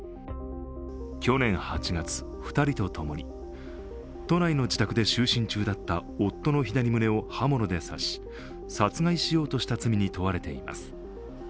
去年８月、２人とともに都内の自宅で就寝中だった夫の左胸を刃物で刺し、殺害しようとした罪に問われています。